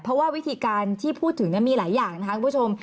เพราะว่าวิธีการที่พูดถึงมีหลายอย่างนะคะคุณผู้ชม